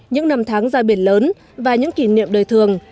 những năm tháng ra biển lớn và những kỷ niệm đời thường